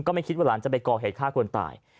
ไม่คิดว่าหลานจะไปก่อเหตุฆ่าคนตาย